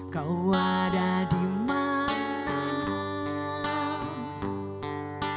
kau ada dimana